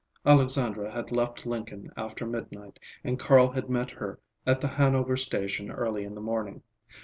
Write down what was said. Alexandra had left Lincoln after midnight, and Carl had met her at the Hanover station early in the morning.